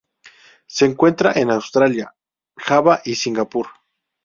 Se encuentra en Australia, Java y Singapur.